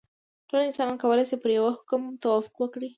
ټول انسانان کولای شي پر یوه حکم توافق وکړي.